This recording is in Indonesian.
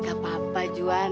gak apa apa juan